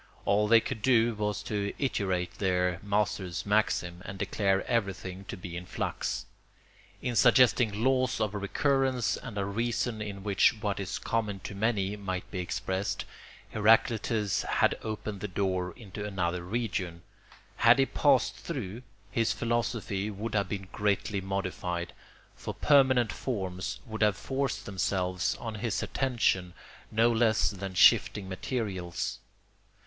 All they could do was to iterate their master's maxim, and declare everything to be in flux. In suggesting laws of recurrence and a reason in which what is common to many might be expressed, Heraclitus had opened the door into another region: had he passed through, his philosophy would have been greatly modified, for permanent forms would have forced themselves on his attention no less than shifting materials.